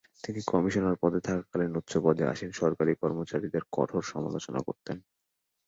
তিনি কমিশনার পদে থাকাকালীন উচ্চপদে আসীন সরকারী কর্মচারীদের কঠোর সমালোচনা করতেন।